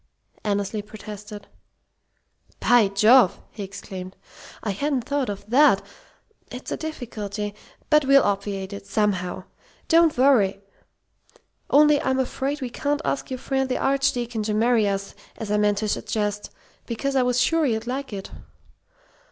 Annesley protested. "By Jove!" he exclaimed. "I hadn't thought of that. It's a difficulty. But we'll obviate it somehow. Don't worry! Only I'm afraid we can't ask your friend the Archdeacon to marry us, as I meant to suggest, because I was sure you'd like it."